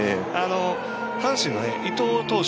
阪神の伊藤投手